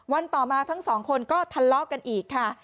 ต่อมาทั้งสองคนก็ทะเลาะกันอีกค่ะ